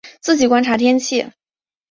自己观察天气